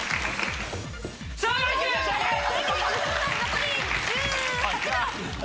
残り１８秒！